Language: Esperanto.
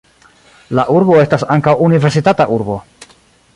La urbo estas ankaŭ universitata urbo.